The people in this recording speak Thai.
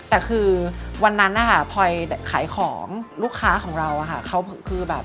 แต่คือวันนั้นพอยขายของลูกค้าของเราค่ะ